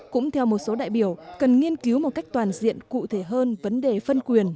cũng theo một số đại biểu cần nghiên cứu một cách toàn diện cụ thể hơn vấn đề phân quyền